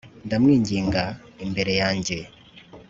Ndamwinginga imbere yanjye